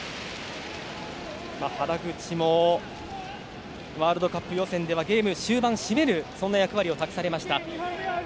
原口もワールドカップ予選ではゲーム終盤締める役割を託されました。